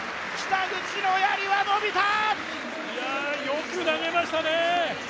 やあ、よく投げましたね。